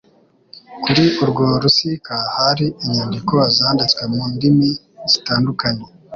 Kuri urwo rusika hari inyandiko zanditswe mu ndimi zitandukanye,